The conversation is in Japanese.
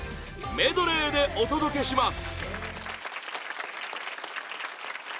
メドレーでお届けします